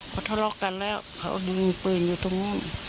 เขาทะเลาะกันแล้วเขายิงปืนอยู่ตรงนู้น